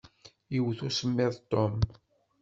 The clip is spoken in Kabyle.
Iwwet usemmiḍ Ṭum.